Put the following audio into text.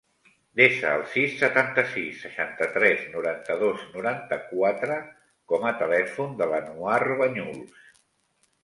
Desa el sis, setanta-sis, seixanta-tres, noranta-dos, noranta-quatre com a telèfon de l'Anouar Bañuls.